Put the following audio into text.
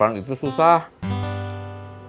orang beli koran kan buat dapetin informasi